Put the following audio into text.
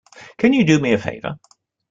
Can you do me a favor?